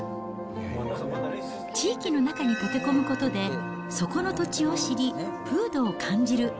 地域の中に溶け込むことで、そこの土地を知り、風土を感じる。